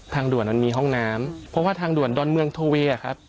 ทางด่วนมันมีห้องน้ำเพราะว่าทางด่วนดอนเมืองโทเวอะครับ